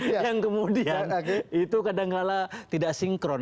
yang kemudian itu kadang kadang tidak sinkron